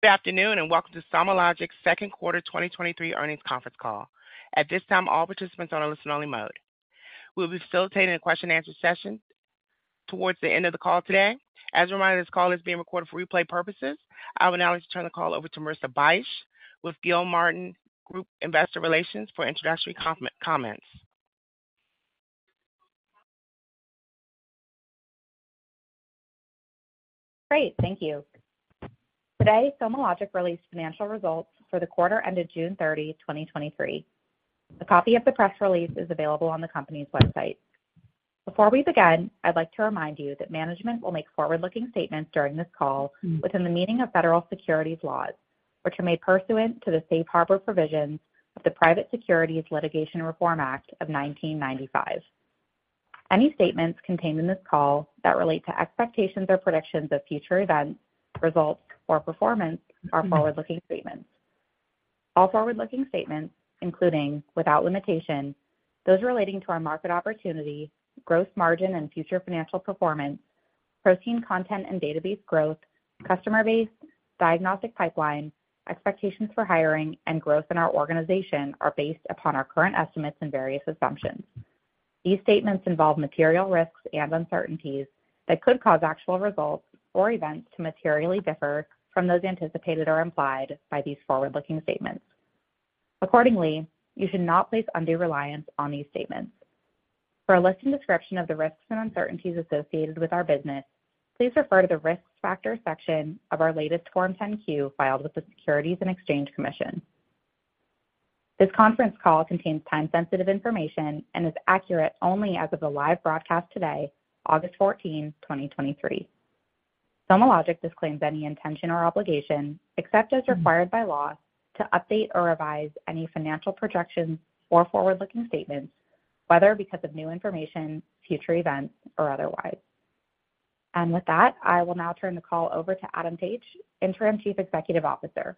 Good afternoon, welcome to SomaLogic's Second Quarter 2023 Earnings Conference Call. At this time, all participants are on a listen-only mode. We'll be facilitating a question-and-answer session towards the end of the call today. As a reminder, this call is being recorded for replay purposes. I would now like to turn the call over to Marissa Bych with Gilmartin Group Investor Relations for introductory comments. Great. Thank you. Today, SomaLogic released financial results for the quarter ended June 30, 2023. A copy of the press release is available on the company's website. Before we begin, I'd like to remind you that management will make forward-looking statements during this call within the meaning of federal securities laws, which are made pursuant to the Safe Harbor provisions of the Private Securities Litigation Reform Act of 1995. Any statements contained in this call that relate to expectations or predictions of future events, results, or performance are forward-looking statements. All forward-looking statements, including, without limitation, those relating to our market opportunity, gross margin, and future financial performance, protein content and database growth, customer base, diagnostic pipeline, expectations for hiring, and growth in our organization, are based upon our current estimates and various assumptions. These statements involve material risks and uncertainties that could cause actual results or events to materially differ from those anticipated or implied by these forward-looking statements. Accordingly, you should not place undue reliance on these statements. For a list and description of the risks and uncertainties associated with our business, please refer to the Risk Factor section of our latest Form 10-Q filed with the Securities and Exchange Commission. This conference call contains time-sensitive information and is accurate only as of the live broadcast today, August 14th, 2023. SomaLogic disclaims any intention or obligation, except as required by law, to update or revise any financial projections or forward-looking statements, whether because of new information, future events, or otherwise. With that, I will now turn the call over to Adam Taich, Interim Chief Executive Officer.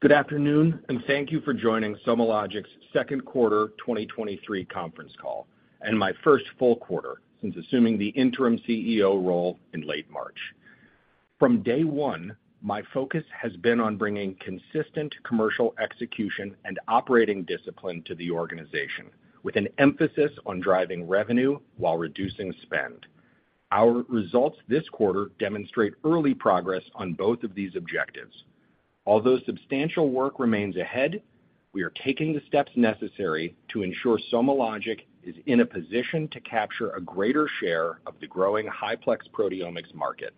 Good afternoon. Thank you for joining SomaLogic's second quarter 2023 conference call, and my first full quarter since assuming the interim CEO role in late March. From day one, my focus has been on bringing consistent commercial execution and operating discipline to the organization, with an emphasis on driving revenue while reducing spend. Our results this quarter demonstrate early progress on both of these objectives. Although substantial work remains ahead, we are taking the steps necessary to ensure SomaLogic is in a position to capture a greater share of the growing high-plex proteomics market.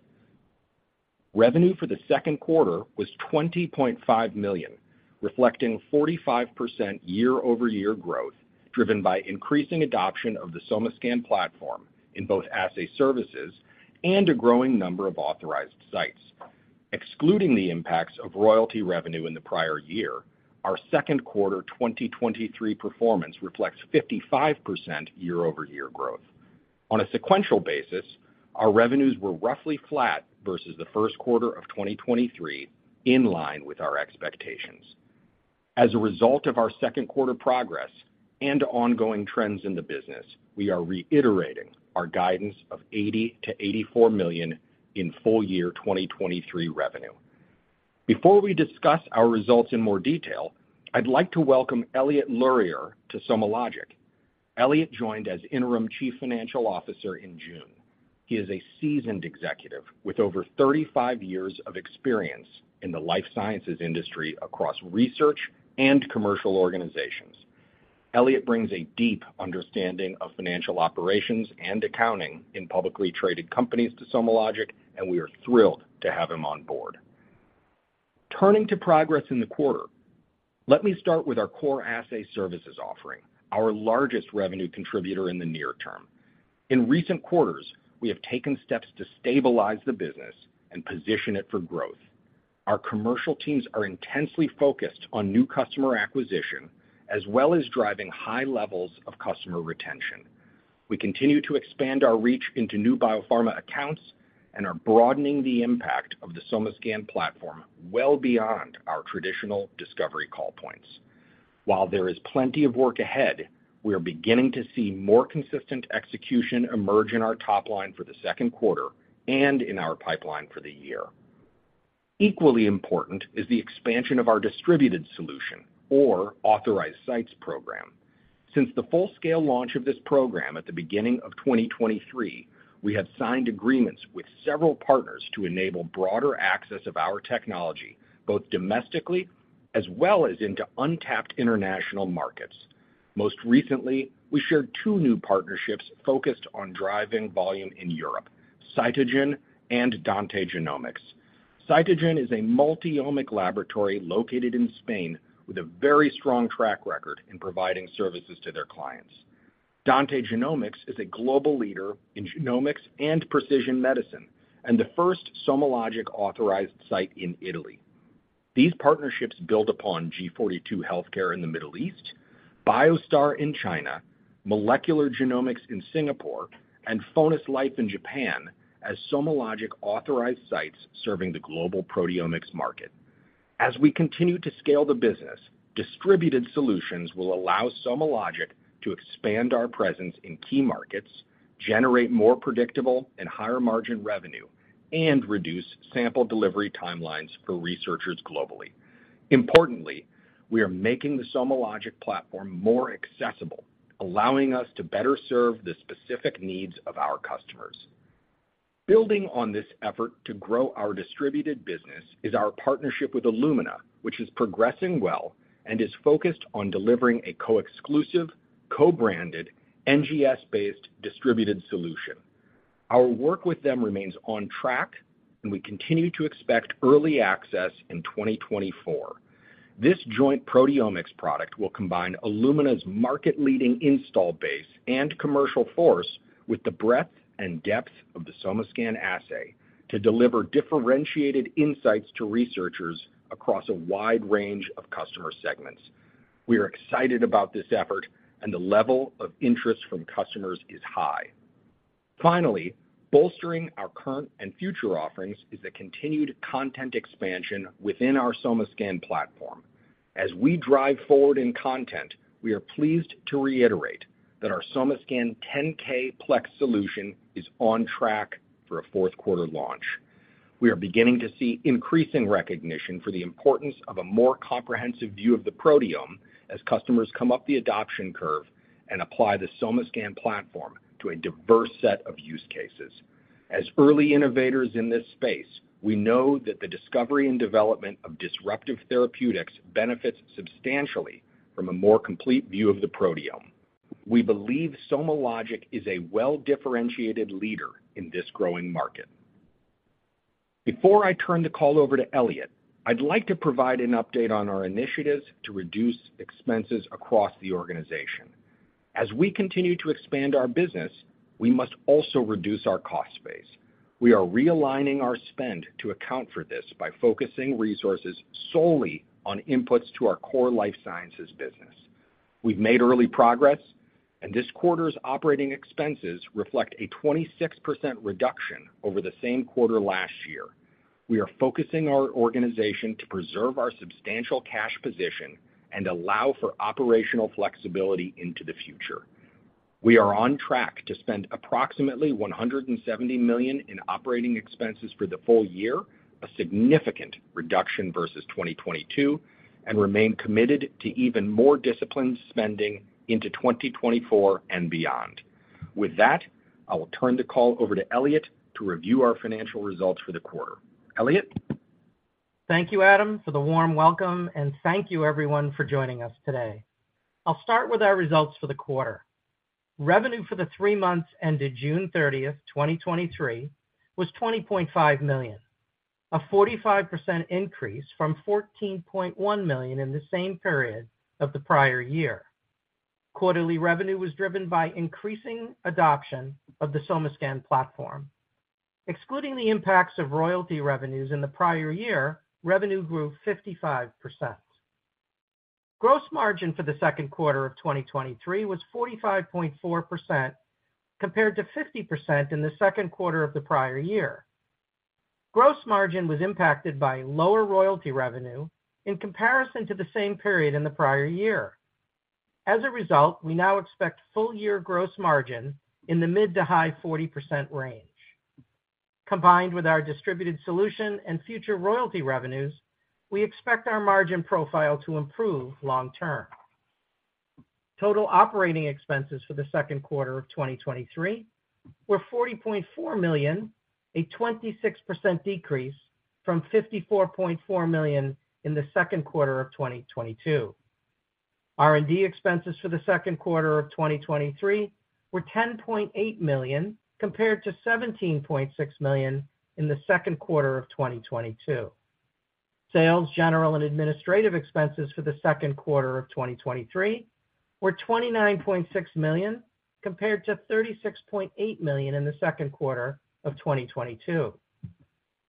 Revenue for the second quarter was $20.5 million, reflecting 45% year-over-year growth, driven by increasing adoption of the SomaScan platform in both assay services and a growing number of authorized sites. Excluding the impacts of royalty revenue in the prior year, our second quarter 2023 performance reflects 55% year-over-year growth. On a sequential basis, our revenues were roughly flat versus the first quarter of 2023, in line with our expectations. As a result of our second quarter progress and ongoing trends in the business, we are reiterating our guidance of $80 million-$84 million in full year 2023 revenue. Before we discuss our results in more detail, I'd like to welcome Eliot Lurier to SomaLogic. Eliot joined as Interim Chief Financial Officer in June. He is a seasoned executive with over 35 years of experience in the life sciences industry across research and commercial organizations. Eliot brings a deep understanding of financial operations and accounting in publicly traded companies to SomaLogic, and we are thrilled to have him on board. Turning to progress in the quarter, let me start with our core assay services offering, our largest revenue contributor in the near term. In recent quarters, we have taken steps to stabilize the business and position it for growth. Our commercial teams are intensely focused on new customer acquisition, as well as driving high levels of customer retention. We continue to expand our reach into new biopharma accounts and are broadening the impact of the SomaScan platform well beyond our traditional discovery call points. While there is plenty of work ahead, we are beginning to see more consistent execution emerge in our top line for the second quarter and in our pipeline for the year. Equally important is the expansion of our Distributed Solution or authorized sites program. Since the full-scale launch of this program at the beginning of 2023, we have signed agreements with several partners to enable broader access of our technology, both domestically as well as into untapped international markets. Most recently, we shared 2 new partnerships focused on driving volume in Europe, Citogen and Dante Genomics. Citogen is a multiomic laboratory located in Spain with a very strong track record in providing services to their clients. Dante Genomics is a global leader in genomics and precision medicine and the first SomaLogic-authorized site in Italy. These partnerships build upon G42 Healthcare in the Middle East, BioStar in China, Molecular Genomics in Singapore, and FonesLife in Japan as SomaLogic authorized sites serving the global proteomics market.... As we continue to scale the business, Distributed Solutions will allow SomaLogic to expand our presence in key markets, generate more predictable and higher margin revenue, and reduce sample delivery timelines for researchers globally. Importantly, we are making the SomaLogic platform more accessible, allowing us to better serve the specific needs of our customers. Building on this effort to grow our distributed business is our partnership with Illumina, which is progressing well and is focused on delivering a co-exclusive, co-branded, NGS-based Distributed Solution. Our work with them remains on track, and we continue to expect early access in 2024. This joint proteomics product will combine Illumina's market-leading install base and commercial force with the breadth and depth of the SomaScan assay to deliver differentiated insights to researchers across a wide range of customer segments. We are excited about this effort, and the level of interest from customers is high. Finally, bolstering our current and future offerings is the continued content expansion within our SomaScan platform. As we drive forward in content, we are pleased to reiterate that our SomaScan 10K plex solution is on track for a fourth quarter launch. We are beginning to see increasing recognition for the importance of a more comprehensive view of the proteome as customers come up the adoption curve and apply the SomaScan platform to a diverse set of use cases. As early innovators in this space, we know that the discovery and development of disruptive therapeutics benefits substantially from a more complete view of the proteome. We believe SomaLogic is a well-differentiated leader in this growing market. Before I turn the call over to Eliot, I'd like to provide an update on our initiatives to reduce expenses across the organization. As we continue to expand our business, we must also reduce our cost base. We are realigning our spend to account for this by focusing resources solely on inputs to our core life sciences business. We've made early progress, and this quarter's OpEx reflect a 26% reduction over the same quarter last year. We are focusing our organization to preserve our substantial cash position and allow for operational flexibility into the future. We are on track to spend approximately $170 million in OpEx for the full year, a significant reduction versus 2022, and remain committed to even more disciplined spending into 2024 and beyond. With that, I will turn the call over to Eliot to review our financial results for the quarter. Eliot? Thank you, Adam, for the warm welcome, and thank you everyone for joining us today. I'll start with our results for the quarter. Revenue for the 3 months ended June 30, 2023, was $20.5 million, a 45% increase from $14.1 million in the same period of the prior year. Quarterly revenue was driven by increasing adoption of the SomaScan platform. Excluding the impacts of royalty revenues in the prior year, revenue grew 55%. Gross margin for the second quarter of 2023 was 45.4%, compared to 50% in the second quarter of the prior year. Gross margin was impacted by lower royalty revenue in comparison to the same period in the prior year. As a result, we now expect full year gross margin in the mid-to-high 40% range. Combined with our Distributed Solution and future royalty revenues, we expect our margin profile to improve long term. Total operating expenses for the second quarter of 2023 were $40.4 million, a 26% decrease from $54.4 million in the second quarter of 2022. R&D expenses for the second quarter of 2023 were $10.8 million, compared to $17.6 million in the second quarter of 2022. Sales, General and Administrative expenses for the second quarter of 2023 were $29.6 million, compared to $36.8 million in the second quarter of 2022.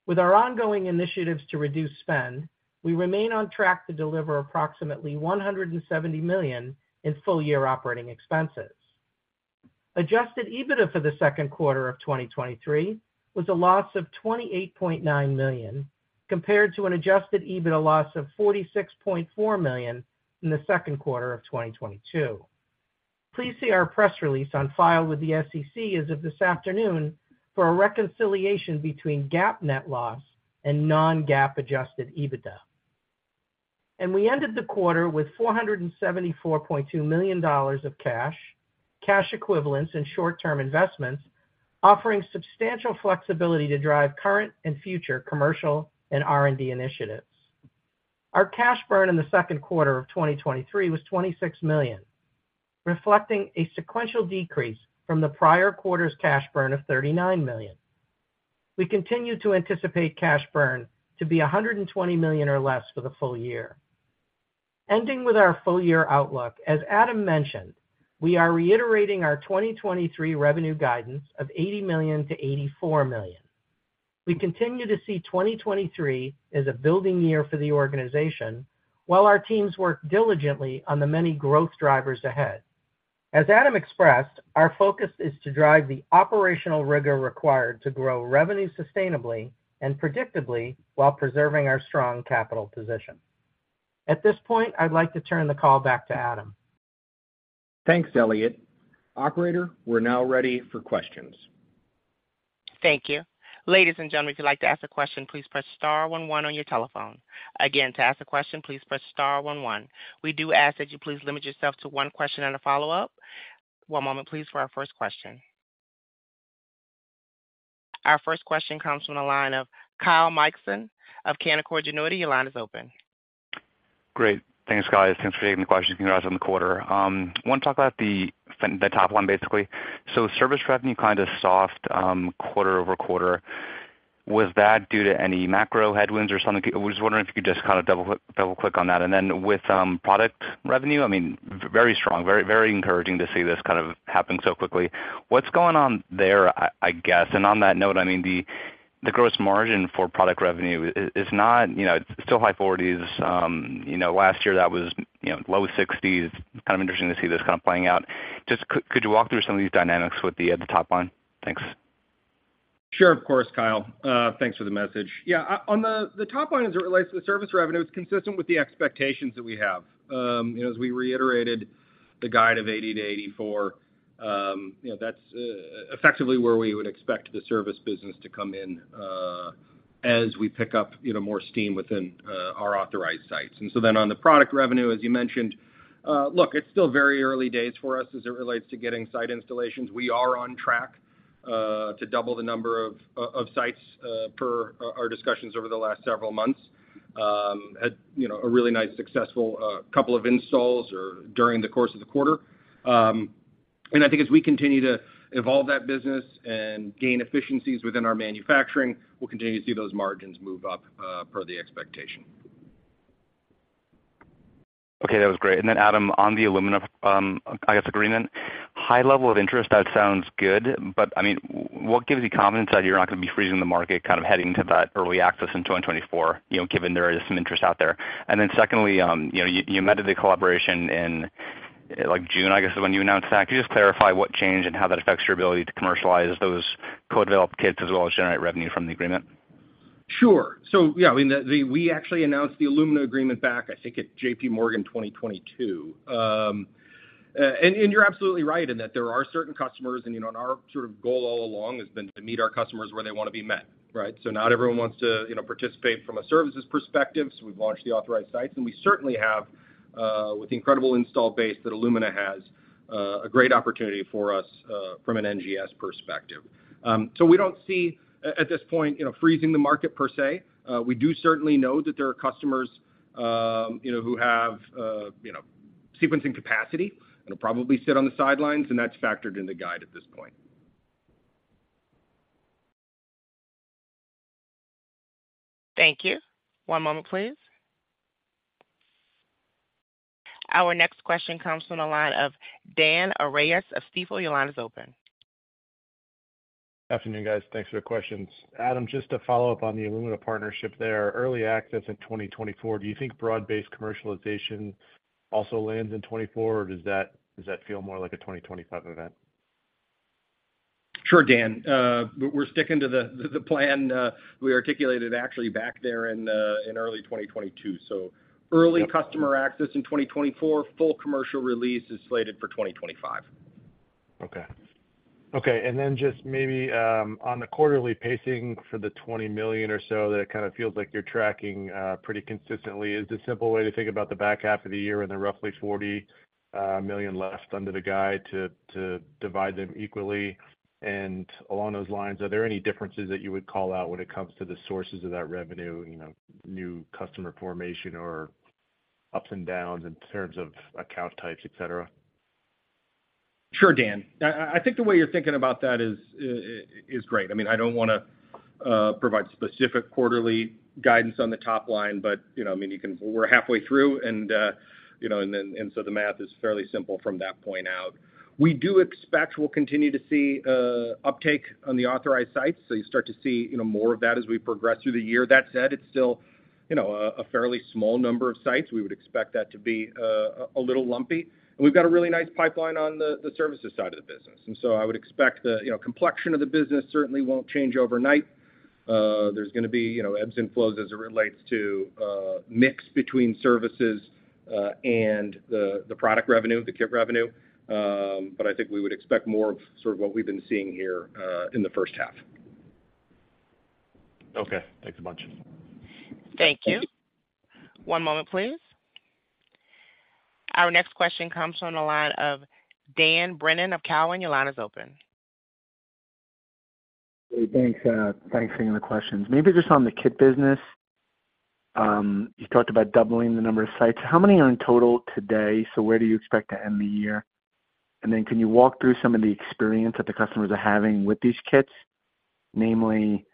With our ongoing initiatives to reduce spend, we remain on track to deliver approximately $170 million in full year operating expenses. Adjusted EBITDA for the second quarter of 2023 was a loss of $28.9 million, compared to an Adjusted EBITDA loss of $46.4 million in the second quarter of 2022. Please see our press release on file with the SEC as of this afternoon for a reconciliation between GAAP net loss and non-GAAP Adjusted EBITDA. We ended the quarter with $474.2 million of cash, cash equivalents and short-term investments, offering substantial flexibility to drive current and future commercial and R&D initiatives. Our cash burn in the second quarter of 2023 was $26 million, reflecting a sequential decrease from the prior quarter's cash burn of $39 million. We continue to anticipate cash burn to be $120 million or less for the full year. Ending with our full-year outlook, as Adam mentioned, we are reiterating our 2023 revenue guidance of $80 million-$84 million. We continue to see 2023 as a building year for the organization, while our teams work diligently on the many growth drivers ahead. As Adam expressed, our focus is to drive the operational rigor required to grow revenue sustainably and predictably while preserving our strong capital position. At this point, I'd like to turn the call back to Adam. Thanks, Eliot. Operator, we're now ready for questions. Thank you. Ladies and gentlemen, if you'd like to ask a question, please press star one one on your telephone. Again, to ask a question, please press star one one. We do ask that you please limit yourself to one question and a follow-up. One moment, please, for our first question. Our first question comes from the line of Kyle Mikson of Canaccord Genuity. Your line is open. Great. Thanks, guys. Thanks for taking the questions, congrats on the quarter. I want to talk about the top line, basically. Service revenue kind of soft, quarter-over-quarter. Was that due to any macro headwinds or something? I was just wondering if you could just kind of double, double-click on that. With product revenue, I mean, very strong, very, very encouraging to see this kind of happen so quickly. What's going on there, I, I guess? On that note, I mean, the gross margin for product revenue is, is not, you know, it's still high 40s. You know, last year that was, you know, low 60s. Kind of interesting to see this kind of playing out. Could you walk through some of these dynamics at the top line? Thanks. Sure. Of course, Kyle. Thanks for the message. Yeah, on the, the top line, as it relates to the service revenue, it's consistent with the expectations that we have. You know, as we reiterated the guide of 80-84, you know, that's effectively where we would expect the service business to come in, as we pick up, you know, more steam within our authorized sites. On the product revenue, as you mentioned, look, it's still very early days for us as it relates to getting site installations. We are on track to double the number of sites per our discussions over the last several months. You know, a really nice, successful couple of installs or during the course of the quarter. I think as we continue to evolve that business and gain efficiencies within our manufacturing, we'll continue to see those margins move up, per the expectation. Okay, that was great. Then, Adam, on the Illumina, I guess agreement, high level of interest, that sounds good, but, I mean, what gives you confidence that you're not going to be freezing the market, kind of, heading to that early access in 2024, you know, given there is some interest out there? Secondly, you know, you, you amended the collaboration in, like, June, I guess, is when you announced that. Could you just clarify what changed and how that affects your ability to commercialize those co-developed kits as well as generate revenue from the agreement? Sure. Yeah, I mean, We actually announced the Illumina agreement back, I think, at JPMorgan 2022. You're absolutely right in that there are certain customers, and, you know, and our sort of goal all along has been to meet our customers where they want to be met, right? Not everyone wants to, you know, participate from a services perspective, so we've launched the authorized sites, and we certainly have, with the incredible install base that Illumina has, a great opportunity for us, from an NGS perspective. We don't see at, at this point, you know, freezing the market per se. We do certainly know that there are customers, you know, who have, you know, sequencing capacity and will probably sit on the sidelines, and that's factored in the guide at this point. Thank you. One moment, please. Our next question comes from the line of Dan Arias of Stifel. Your line is open. Good afternoon, guys. Thanks for the questions. Adam, just to follow up on the Illumina partnership there, early access in 2024, do you think broad-based commercialization also lands in 2024, or does that, does that feel more like a 2025 event? Sure, Dan. We're sticking to the plan we articulated actually back there in early 2022. Early customer access in 2024, full commercial release is slated for 2025. Okay. Okay, then just maybe on the quarterly pacing for the $20 million or so, that it kind of feels like you're tracking pretty consistently. Is the simple way to think about the back half of the year and the roughly $40 million left under the guide to, to divide them equally? Along those lines, are there any differences that you would call out when it comes to the sources of that revenue, you know, new customer formation or ups and downs in terms of account types, et cetera? Sure, Dan. I, I think the way you're thinking about that is, is great. I mean, I don't want to provide specific quarterly guidance on the top line, but, you know, I mean, you can... We're halfway through and, you know, and then, and so the math is fairly simple from that point out. We do expect we'll continue to see uptake on the authorized sites, so you start to see, you know, more of that as we progress through the year. That said, it's still, you know, a, a fairly small number of sites. We would expect that to be a little lumpy. We've got a really nice pipeline on the, the services side of the business, and so I would expect the, you know, complexion of the business certainly won't change overnight. There's going to be, you know, ebbs and flows as it relates to mix between services and the, the product revenue, the kit revenue. I think we would expect more of sort of what we've been seeing here in the first half. Okay, thanks a bunch. Thank you. One moment, please. Our next question comes from the line of Dan Brennan of Cowen. Your line is open. Hey, thanks. Thanks for taking the questions. Maybe just on the kit business. You talked about doubling the number of sites. How many are in total today? Where do you expect to end the year? Can you walk through some of the experience that the customers are having with these kits? Namely,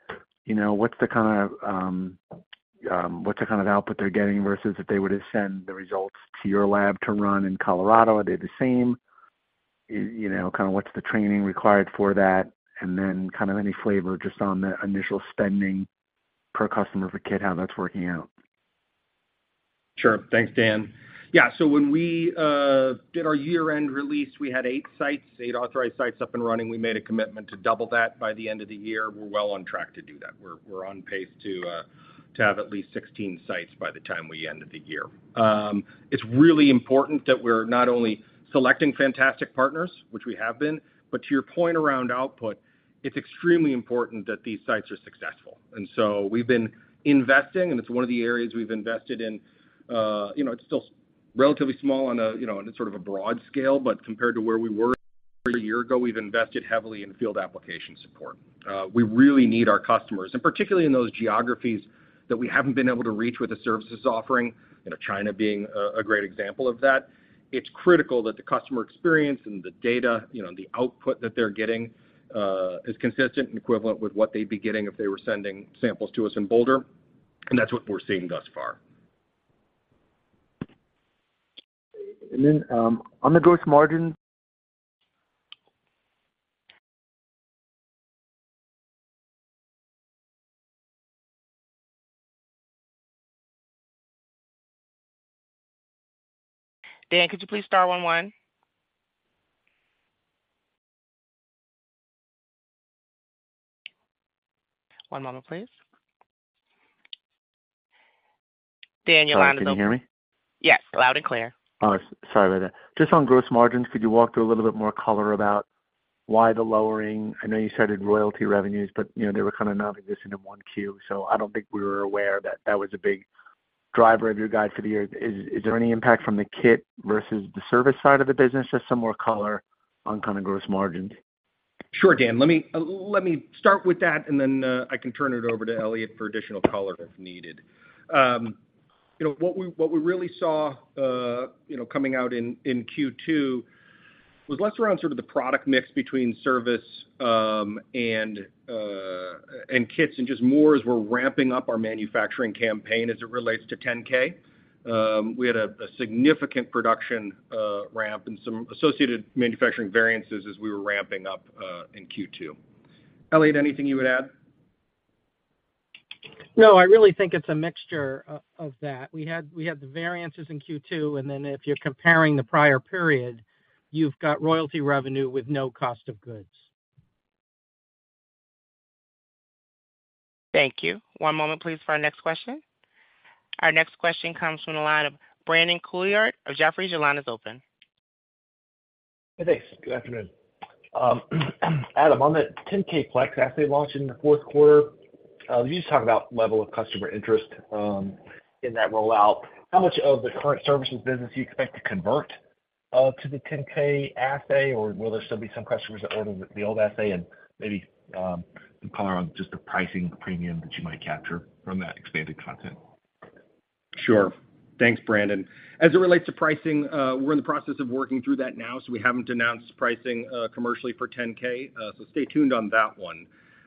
you know, what's the kind of, what's the kind of output they're getting versus if they were to send the results to your lab to run in Colorado? Are they the same? You know, kind of what's the training required for that? And then kind of any flavor just on the initial spending per customer for kit, how that's working out?... Sure. Thanks, Dan. Yeah, so when we did our year-end release, we had 8 sites, 8 authorized sites up and running. We made a commitment to double that by the end of the year. We're well on track to do that. We're, we're on pace to have at least 16 sites by the time we end the year. It's really important that we're not only selecting fantastic partners, which we have been, but to your point around output, it's extremely important that these sites are successful. We've been investing, and it's one of the areas we've invested in. You know, it's still relatively small on a, you know, on a sort of a broad scale, but compared to where we were a year ago, we've invested heavily in field application support. We really need our customers, and particularly in those geographies that we haven't been able to reach with the services offering, you know, China being a, a great example of that. It's critical that the customer experience and the data, you know, the output that they're getting, is consistent and equivalent with what they'd be getting if they were sending samples to us in Boulder, and that's what we're seeing thus far. And then on the gross margin? Dan, could you please dial one one? One moment, please. Daniel, the line is open. Sorry, can you hear me? Yes, loud and clear. All right. Sorry about that. Just on gross margins, could you walk through a little bit more color about why the lowering? I know you cited royalty revenues, but, you know, they were kind of non-existent in 1Q, so I don't think we were aware that that was a big driver of your guide for the year. Is there any impact from the kit versus the service side of the business? Just some more color on kind of gross margins. Sure, Dan. Let me, let me start with that, and then I can turn it over to Eliot for additional color if needed. You know, what we, what we really saw, you know, coming out in Q2 was less around sort of the product mix between service and kits, and just more as we're ramping up our manufacturing campaign as it relates to 10K. We had a significant production ramp and some associated manufacturing variances as we were ramping up in Q2. Eliot, anything you would add? No, I really think it's a mixture of that. We had, we had the variances in Q2, and then if you're comparing the prior period, you've got royalty revenue with no cost of goods. Thank you. One moment, please, for our next question. Our next question comes from the line of Brandon Couillard of Jefferies. Your line is open. Hey, thanks. Good afternoon. Adam, on the 10K plex assay launch in the fourth quarter, could you just talk about level of customer interest in that rollout? How much of the current services business do you expect to convert to the 10K assay, or will there still be some customers that order the old assay? Maybe, some color on just the pricing premium that you might capture from that expanded content? Sure. Thanks, Brandon. As it relates to pricing, we're in the process of working through that now. We haven't announced pricing commercially for 10K, so stay tuned on that one.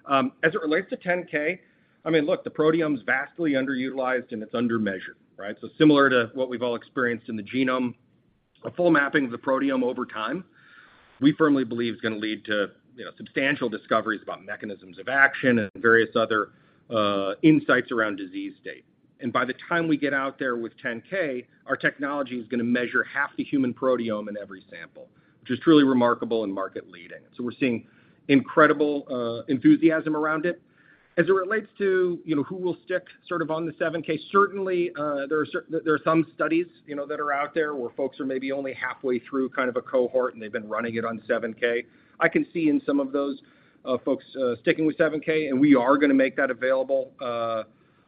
As it relates to 10K, I mean, look, the proteome is vastly underutilized and it's under measured, right? Similar to what we've all experienced in the genome, a full mapping of the proteome over time, we firmly believe is going to lead to, you know, substantial discoveries about mechanisms of action and various other insights around disease state. By the time we get out there with 10K, our technology is going to measure half the human proteome in every sample, which is truly remarkable and market-leading. We're seeing incredible enthusiasm around it. As it relates to, you know, who will stick sort of on the 7K, certainly, there are some studies, you know, that are out there, where folks are maybe only halfway through kind of a cohort and they've been running it on 7K. I can see in some of those folks sticking with 7K, and we are going to make that available,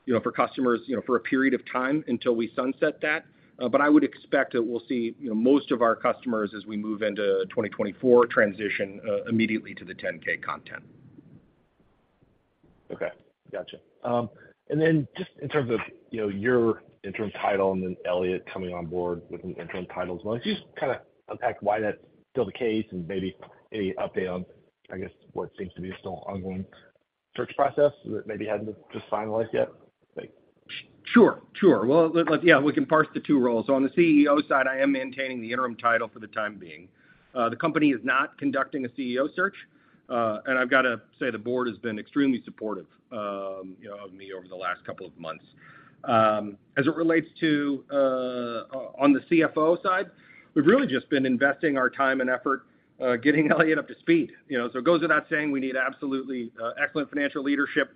you know, for customers, you know, for a period of time until we sunset that. I would expect that we'll see, you know, most of our customers, as we move into 2024, transition immediately to the 10K content. Okay, got you. Just in terms of, you know, your interim title and then Eliot coming on board with an interim title as well, can you just kind of unpack why that's still the case and maybe any update on, I guess, what seems to be still ongoing search process that maybe hadn't been finalized yet? Thanks. Sure, sure. Well, let yeah, we can parse the two roles. On the CEO side, I am maintaining the interim title for the time being. The company is not conducting a CEO search. I've got to say, the board has been extremely supportive, you know, of me over the last couple of months. As it relates to on the CFO side, we've really just been investing our time and effort, getting Eliot up to speed. You know, it goes without saying, we need absolutely excellent financial leadership.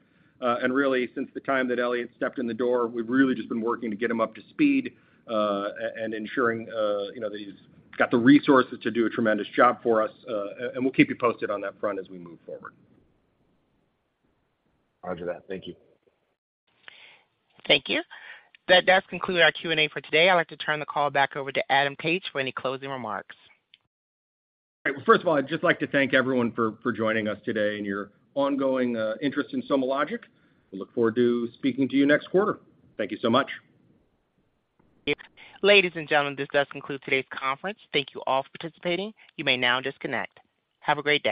Really, since the time that Eliot stepped in the door, we've really just been working to get him up to speed, and ensuring, you know, that he's got the resources to do a tremendous job for us. We'll keep you posted on that front as we move forward. Roger that. Thank you. Thank you. That does conclude our Q&A for today. I'd like to turn the call back over to Adam Taich for any closing remarks. Well, first of all, I'd just like to thank everyone for, for joining us today and your ongoing interest in SomaLogic. We look forward to speaking to you next quarter. Thank you so much. Ladies and gentlemen, this does conclude today's conference. Thank you all for participating. You may now disconnect. Have a great day.